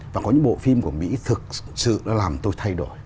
và có những bộ phim của mỹ thực sự đã làm tôi thay đổi